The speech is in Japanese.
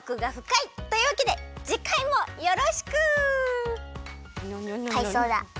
かいそうだ！